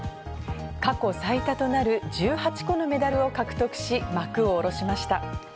過去最多となる１８個のメダルを獲得し、幕を下ろしました。